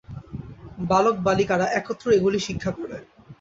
বালক-বালিকারা একত্র এগুলি শিক্ষা করে।